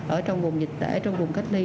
ở trong vùng dịch tễ trong vùng cách ly